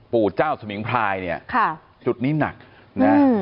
ปู่เจ้าสมิงพรายเนี่ยค่ะจุดนี้หนักนะ